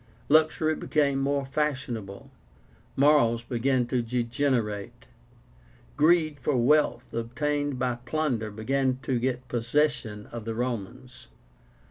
Luxury became more fashionable; morals began to degenerate. Greed for wealth obtained by plunder began to get possession of the Romans.